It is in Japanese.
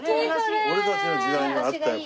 俺たちの時代にもあったよ